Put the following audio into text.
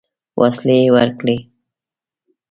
وسلې ورکړې.